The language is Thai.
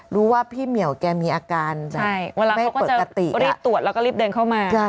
รู้ว่าพี่เหมียวแกมีอาการแบบไม่เปิดกติใช่เวลาเขาก็จะรีบตรวจเราก็รีบเดินเข้ามา